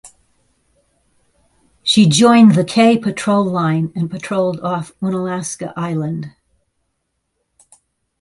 She joined the "K" patrol line and patrolled off Unalaska Island.